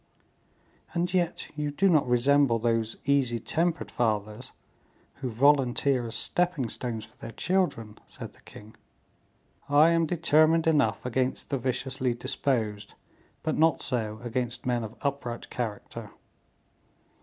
"And yet you do not resemble those easy tempered fathers who volunteer as stepping stones for their children," said the king. "I am determined enough against the viciously disposed, but not so against men of upright character.